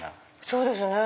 そうですね。